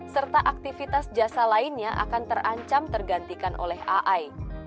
serta aktivitas jasa lainnya akan terancam tergantikan oleh ai